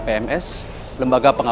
jadi kum mau ke cabang kok